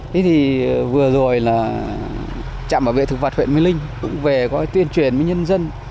thế thì vừa rồi là trạm bảo vệ thực vật huyện mê linh cũng về tuyên truyền với nhân dân